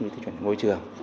như tiêu chuẩn về môi trường